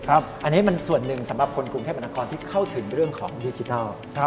อันนี้มันส่วนหนึ่งสำหรับคนกรุงเทพมนาคมที่เข้าถึงเรื่องของดิจิทัล